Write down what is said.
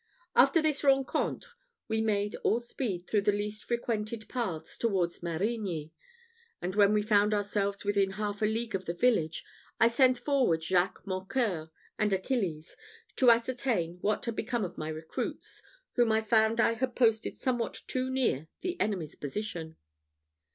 After this rencontre we made all speed through the least frequented paths towards Marigny, and when we found ourselves within half a league of the village, I sent forward Jacques Mocqueur and Achilles to ascertain what had become of my recruits, whom I found I had posted somewhat too near the enemy's position.